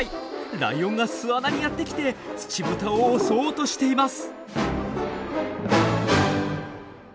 ライオンが巣穴にやってきてツチブタを襲おうとしています！